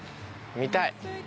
見たい。